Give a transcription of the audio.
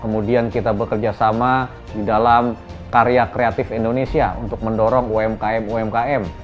kemudian kita bekerja sama di dalam karya kreatif yogood minus reduz kampangan di indonesia untuk mendorong umkm umkm